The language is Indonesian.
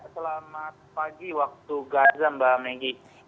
selamat pagi waktu gaza mbak meggy